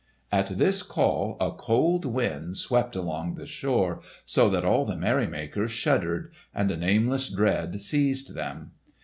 At this call a cold wind swept along the shore, so that all the merrymakers shuddered, and a nameless dread seized them.